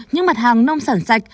những mặt hàng nông sản sạch